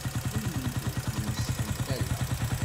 Unguf imesxen tala.